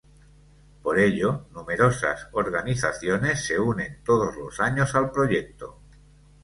Por ello numerosas organizaciones se unen todos los años al proyecto.